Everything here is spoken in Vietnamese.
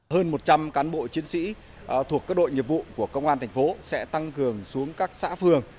hơn một trăm linh cán bộ chiến sĩ thuộc các đội nghiệp vụ của công an thành phố sẽ tăng cường xuống các xã phường